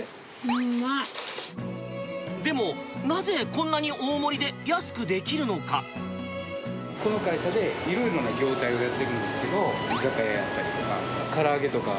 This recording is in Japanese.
でも、なぜ、こんなに大盛りこの会社でいろいろな業態をやってるんですけど、居酒屋やったりとか、から揚げとか。